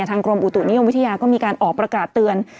กรมอุตุนิยมวิทยาก็มีการออกประกาศเตือน